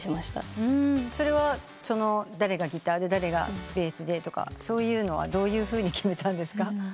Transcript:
それは誰がギターで誰がベースでとかそういうのはどういうふうに決めたんですか？